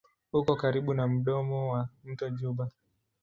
Uko karibu na mdomo wa mto Juba.